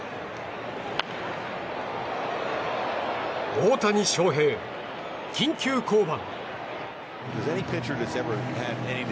大谷翔平、緊急降板。